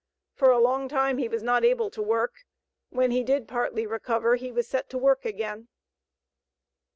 For a long time he was not able to work; when he did partly recover, he was set to work again."